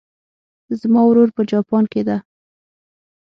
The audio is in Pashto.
زما ورور په جاپان کې ده